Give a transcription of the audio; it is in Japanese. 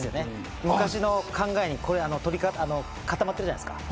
昔の考えに固まってるじゃないですか。